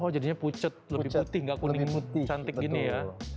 oh jadinya pucet lebih putih nggak kuning cantik gini ya